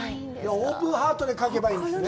オープンハートで描けばいいんですね。